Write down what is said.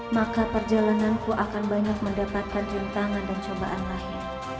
maka perjalananku akan banyak mendapatkan rintangan dan cobaan lahir